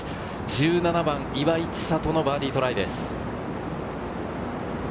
１７番、岩井千怜のバーディートライです。